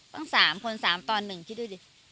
ตั้งสามคนสามตอนหนึ่งคิดดูดิ